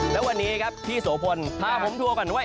แล้ววันนี้ครับพี่โสพลพาผมทัวร์ก่อนว่า